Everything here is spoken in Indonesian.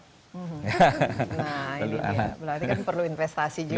nah ini dia berarti kan perlu investasi juga